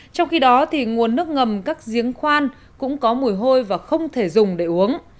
trong khi đó nguồn nước ngầm các giếng khoan cũng có mùi hôi và không thể dùng để uống